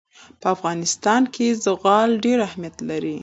په افغانستان کې زغال ډېر اهمیت لري.